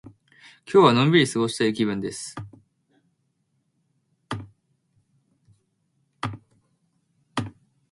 今日はのんびり過ごしたい気分です。